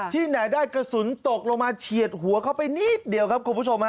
ที่ไหนได้กระสุนตกลงมาเฉียดหัวเข้าไปนิดเดียวครับคุณผู้ชม